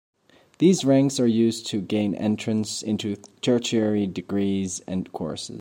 These ranks are used to gain entrance into tertiary degrees and courses.